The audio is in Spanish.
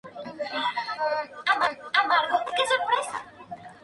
Con apenas trece años, empezó como vocalista en el sexteto Champán Sport, en Guanabacoa.